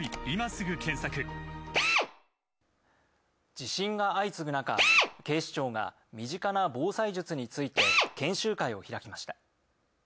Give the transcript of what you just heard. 地震が相次ぐ中、警視庁が身近な防災術について研修会を開きました。